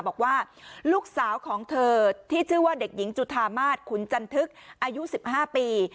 บอกว่าลูกสาวของเธอที่ชื่อว่าเด็กหญิงจุธามาศขุนจันทึกอายุ๑๕ปี